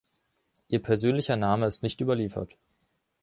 Ihr persönlicher Name ist nicht überliefert.